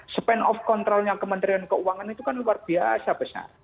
span of controlnya kementerian keuangan itu kan luar biasa besar